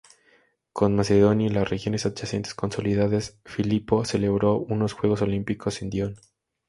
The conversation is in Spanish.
Con Macedonia y las regiones adyacentes consolidadas, Filipo celebró unos juegos olímpicos en Dion.